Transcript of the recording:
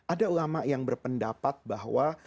ada ulama yang berpendapat bahwa